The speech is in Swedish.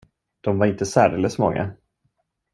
De var inte särdeles många.